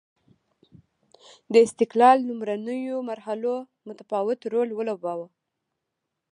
د استقلال لومړنیو مرحلو متفاوت رول ولوباوه.